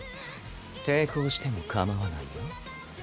抵抗してもかまわないよ